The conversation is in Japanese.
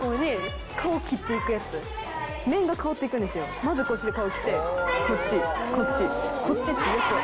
まずこっちで顔きてこっちこっちこっちって。